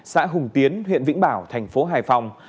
xã hùng tiến huyện vĩnh bảo thành phố hải phòng